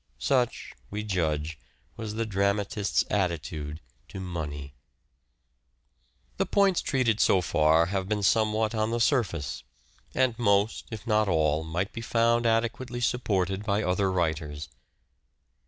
Such, we judge, was the dramatist's attitude to money. The points treated so far have been somewhat on woman, the surface ; and most, if not all, might be found adequately supported by other writers.